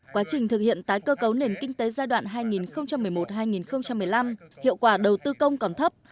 quá trình thực hiện tái cơ cấu nền kinh tế giai đoạn hai nghìn một mươi một hai nghìn một mươi năm hiệu quả đầu tư công còn thấp